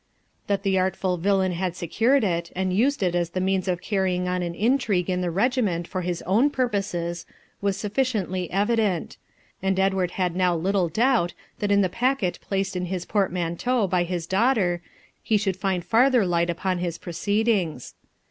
That the artful villain had secured it, and used it as the means of carrying on an intrigue in the regiment for his own purposes, was sufficiently evident; and Edward had now little doubt that in the packet placed in his portmanteau by his daughter he should find farther light upon his proceedings.